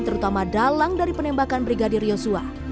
terutama dalang dari penembakan brigadir yosua